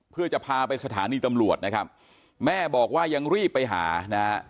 เพื่อจะพาไปสถานีตำรวจนะครับแม่บอกว่ายังรีบไปหานะฮะ